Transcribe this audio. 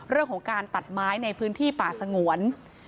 เรื่องของการตัดไม้ในพื้นที่ป่าสงวน